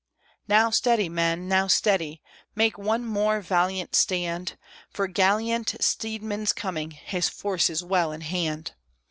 Now steady, men! now steady! make one more valiant stand, For gallant Steedman's coming, his forces well in hand!